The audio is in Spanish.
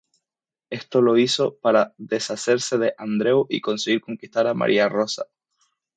Esto lo hizo para deshacerse de Andreu y conseguir conquistar a Maria Rosa.